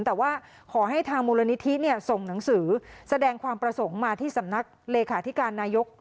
แต่ว่าขอให้ทางมูลนิธิส่งหนังสือแสดงความประสงค์มาที่สำนักเลขาธิการนายก